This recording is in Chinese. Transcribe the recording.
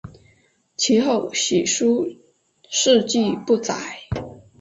其后史书事迹不载。